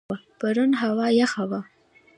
پرون هوا یخه وه.